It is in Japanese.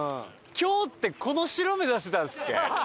今日ってこの城目指してたんですっけ？